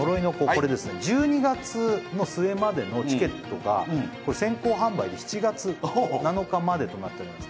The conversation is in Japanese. これですね１２月の末までのチケットがこれ先行販売で７月７日までとなっております